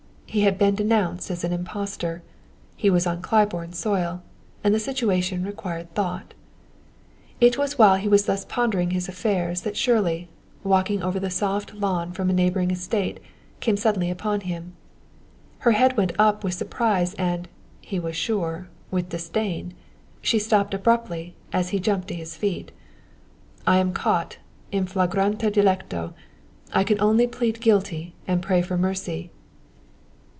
He had been denounced as an impostor; he was on Claiborne soil; and the situation required thought. It was while he thus pondered his affairs that Shirley, walking over the soft lawn from a neighboring estate, came suddenly upon him. Her head went up with surprise and he was sure with disdain. She stopped abruptly as he jumped to his feet. "I am caught in flagrante delicto! I can only plead guilty and pray for mercy."